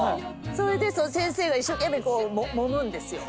それで先生が一生懸命もむんですよ。